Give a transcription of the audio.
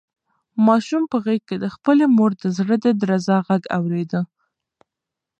ماشوم په غېږ کې د خپلې مور د زړه د درزا غږ اورېده.